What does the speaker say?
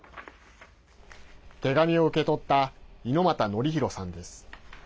手紙を受け取った猪俣典弘さんです。